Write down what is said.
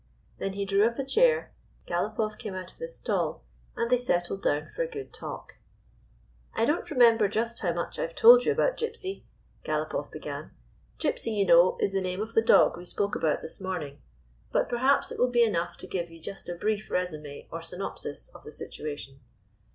Then he drew up a chair, Galopoff came ©ut of his stall, and they settled down for a good talk. "I don't remember just how much I have told you about Gypsy," Galopoff began. " Gypsy, 20 © A COUNCIL OF WAR you know, is the name of the dog we spoke about this morning. But perhaps it will be enough to give you just a brief resume or synopsis of the situation."